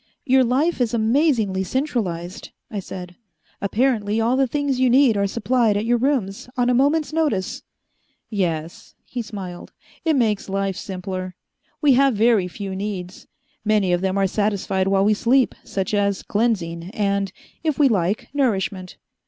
"Your life is amazingly centralized," I said. "Apparently all the things you need are supplied at your rooms on a moment's notice." "Yes," he smiled, "it makes life simpler. We have very few needs. Many of them are satisfied while we sleep, such as cleansing and, if we like, nourishment.